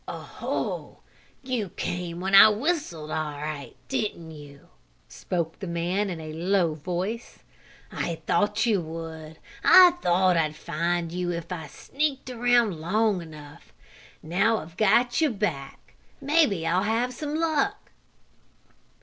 "O ho! You came when I whistled all right; didn't you?" spoke the man in a low voice. "I thought you would! I thought I'd find you if I sneaked around long enough. Now I've got you back, maybe I'll have some luck!"